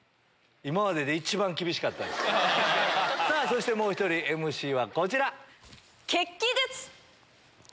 そしてもう１人ＭＣはこちら。